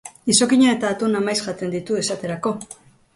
Izokina eta atuna maiz jaten ditu, esaterako.